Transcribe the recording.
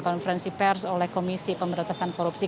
konferensi pers oleh komisi pemberantasan korupsi